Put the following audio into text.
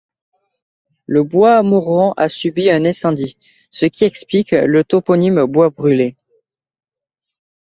Le bois Moron a subi un incendie, ce qui explique le toponyme Bois-Brûlé.